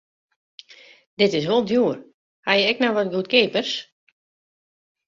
Dit is wol djoer, ha jo ek noch wat goedkeapers?